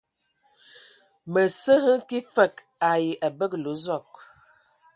Mǝ sǝ hm kig fǝg ai abǝgǝlǝ Zɔg.